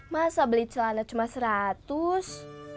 masa beli celana cuma seratus